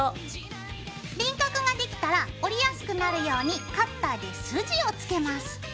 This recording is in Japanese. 輪郭ができたら折りやすくなるようにカッターで筋をつけます。